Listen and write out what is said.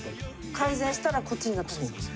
改善したらこっちになったんですか？